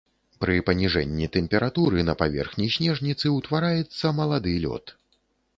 Пры паніжэнні тэмпературы на паверхні снежніцы ўтвараецца малады лёд.